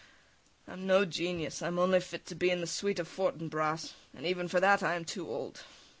[They go] I'm no genius, I'm only fit to be in the suite of Fortinbras, and even for that I am too old....